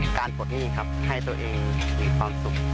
ปลดหนี้ครับให้ตัวเองมีความสุข